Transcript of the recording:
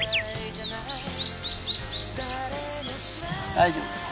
大丈夫。